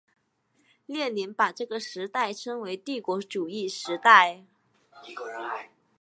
列宁把这个时代称为帝国主义时代。